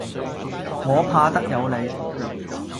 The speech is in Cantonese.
我怕得有理。